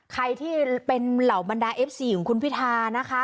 ใครที่เป็นเหล่าบรรดาเอฟซีของคุณพิธานะคะ